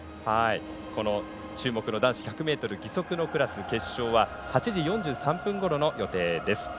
注目の男子１００ｍ義足のクラスの決勝は８時４３分ごろの予定です。